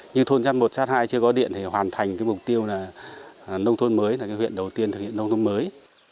như thôn chát một chát hai chưa có điện thì hoàn thành mục tiêu nông thôn mới huyện đầu tiên thực hiện nông thôn mới